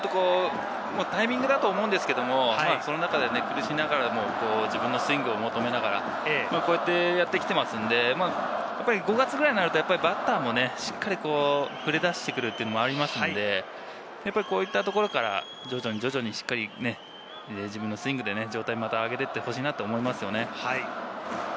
タイミングだと思うんですけども、その中で苦しみながらも、自分のスイングを求めながら、こうやってやってきていますんで、５月くらいになるとバッターもしっかり振れ出してくるというのもありますんで、こういったところから徐々にしっかり自分のスイングで状態を上げていってほしいなと思いますよね。